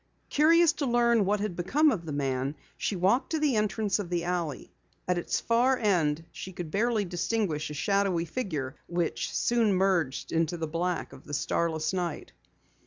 Curious to learn what had become of the man, she walked to the entrance of the alley. At its far end she could barely distinguish a shadowy figure which soon merged into the black of the starless night.